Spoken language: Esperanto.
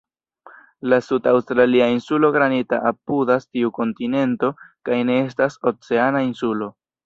La sud-aŭstralia Insulo Granita apudas tiu kontinento kaj ne estas "oceana" insulo.